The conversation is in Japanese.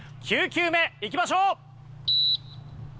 ９球目いきましょう！